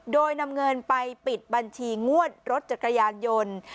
โดยนำเงินไปปิดบัญชีงวดรถจักรยานยนต์